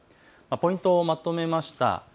ポイントをまとめました。